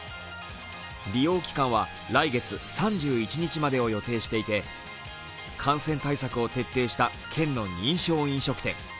利用期間は来月３１日までを予定していて感染対策を徹底した県の認証飲食店